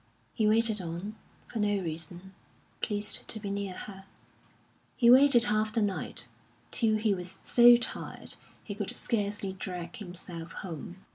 He waited on, for no reason pleased to be near her. He waited half the night, till he was so tired he could scarcely drag himself home.